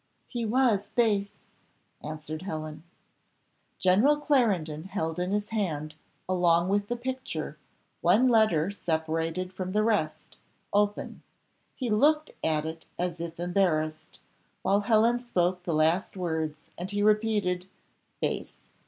"He was base," answered Helen. General Clarendon held in his hand, along with the picture, one letter separated from the rest, open; he looked at it as if embarrassed, while Helen spoke the last words, and he repeated, "Base!